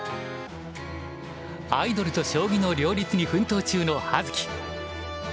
アイドルと将棋の両立に奮闘中の葉月。